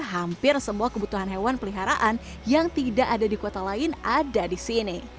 hampir semua kebutuhan hewan peliharaan yang tidak ada di kota lain ada di sini